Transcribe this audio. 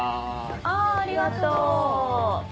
ありがとう。